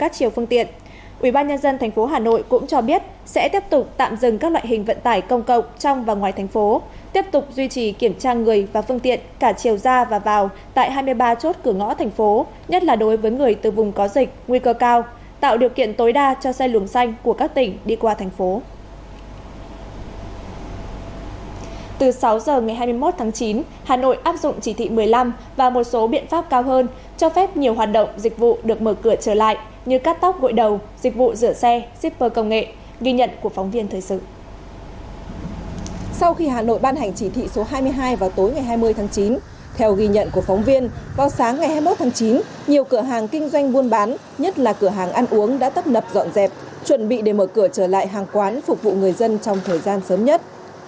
theo ghi nhận của phóng viên vào sáng ngày hai mươi một tháng chín nhiều cửa hàng kinh doanh buôn bán nhất là cửa hàng ăn uống đã tấp nập dọn dẹp chuẩn bị để mở cửa trở lại hàng quán phục vụ người dân trong thời gian sớm nhất